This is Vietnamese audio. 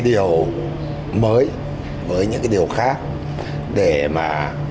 điều mới với những cái điều khác để mà